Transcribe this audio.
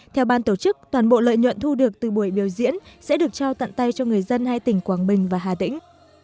theo ban tổ chức toàn bộ lợi nhuận thu được từ buổi biểu diễn sẽ được trao tận tay cho người dân hai tỉnh quảng bình và hà tĩnh